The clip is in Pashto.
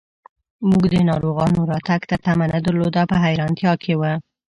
موږ د ناروغانو راتګ ته تمه نه درلوده، په حیرانتیا کې و.